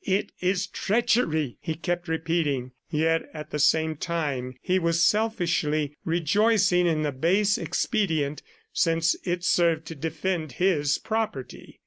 "It is treachery!" he kept repeating; yet at the same time he was selfishly rejoicing in the base expedient, since it served to defend his property.